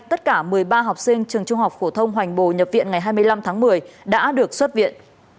tất cả một mươi ba học sinh trường trung học phổ thông hoành bồ nhập viện ngày hai mươi năm tháng một mươi đã được xuất viện